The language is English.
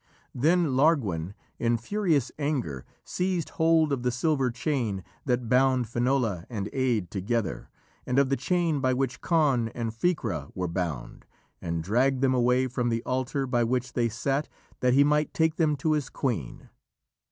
Then Larguen, in furious anger, seized hold of the silver chain that bound Finola and Aed together, and of the chain by which Conn and Ficra were bound, and dragged them away from the altar by which they sat, that he might take them to his queen.